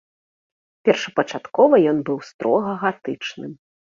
Першапачаткова ён быў строга гатычным.